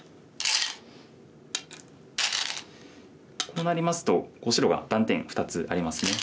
こうなりますと白が断点２つありますね。